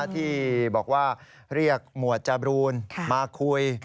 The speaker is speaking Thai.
ที่บอกว่าเรียกหมวดจบรูนมาคุย